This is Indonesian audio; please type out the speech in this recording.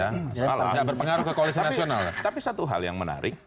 tidak berpengaruh ke koalisi nasional tapi satu hal yang menarik